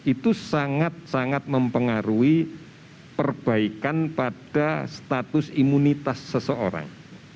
itu sangat sangat mempengaruhi perbaikan pada status imunitas seseorang